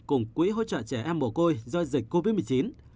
cùng quỹ hỗ trợ trẻ em mồ côi do dịch covid một mươi chín